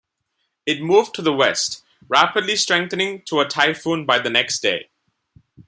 It moved to the west, rapidly strengthening to a typhoon by the next day.